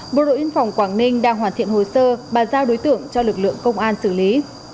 bộ đội biên phòng quảng ninh đang hoàn thiện hồ sơ bàn giao đối tượng cho lực lượng công an xử lý